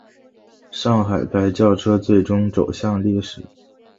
上海牌轿车最终走向历史。